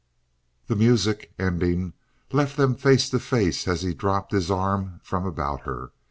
The music, ending, left them face to face as he dropped his arm from about her.